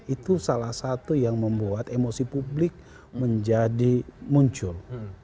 itu salah satu yang membuat emosi publik menjadi muncul